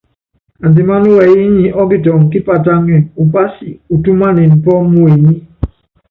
Andimáná wɛyí nyi ɔ́kitɔŋ kípatáŋɛ́, upási utúmanin pɔ́ muenyí.